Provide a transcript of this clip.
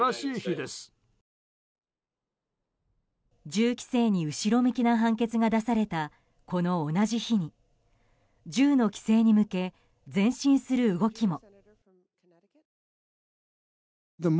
銃規制に後ろ向きな判決が出されたこの同じ日に銃の規制に向け前進する動きも。